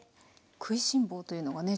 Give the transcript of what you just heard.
食いしん坊というのがね